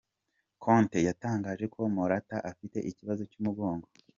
Conte yatangaje ko Morata afite ikibazo cy’umugongo.